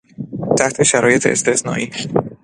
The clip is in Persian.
تحت شرایط استثنایی...